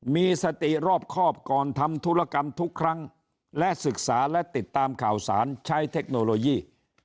มีสติรอบครอบก่อนทำธุรกรรมทุกครั้งและศึกษาและติดตามข่าวสารใช้เทคโนโลยี